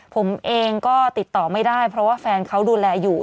ผมเองก็ติดต่อไม่ได้เพราะว่าแฟนเขาดูแลอยู่